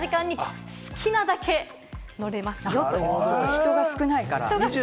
人が少ないから。